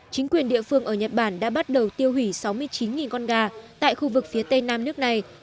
chính quyền địa phương ở nhật bản đã bắt đầu tiêu hủy sáu mươi chín con gà tại khu vực phía tây nam nước này